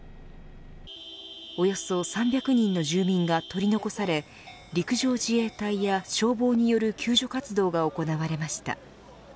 およそ３００人の住民が取り残され陸上自衛隊や消防による救助活動が行われました。